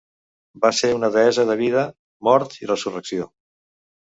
Va ser una deessa de vida, mort i resurrecció.